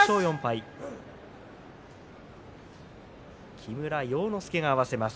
木村要之助が合わせます。